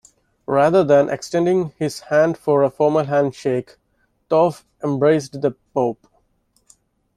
Rather than extending his hand for a formal handshake, Toaff embraced the Pope.